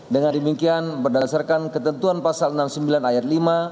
dengan demikian berdasarkan ketentuan pasal enam puluh sembilan ayat lima